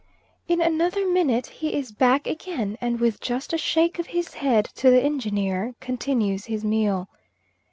In another minute he is back again, and with just a shake of his head to the Engineer, continues his meal.